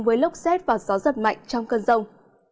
với lốc xét và gió giật mạnh trong cơn rông